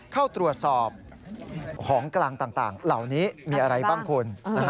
เข้าตรวจสอบของกลางต่างเหล่านี้มีอะไรบ้างคุณ